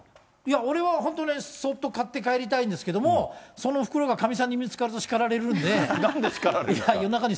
俺は本当に、相当買って帰りたいんですけど、その袋がかみさんに見つかると叱なんで叱られるんだ。